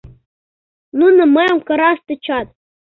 Нуно мыйым кыраш тӧчат.